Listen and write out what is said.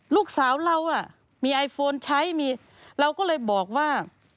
ลูกสาวเรามีไอโฟนใช้มีเราก็เลยบอกว่า